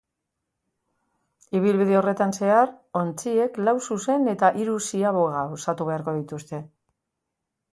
Ibilbide horretan zehar, ontziek lau zuzen eta hiru ziaboga osatu beharko dituzte.